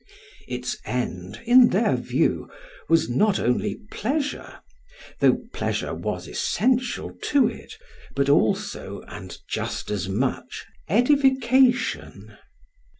Its end, in their view, was not only pleasure, though pleasure was essential to it; but also, and just as much, edification.